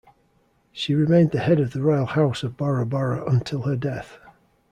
She remained the head of the royal house of Bora Bora until her death.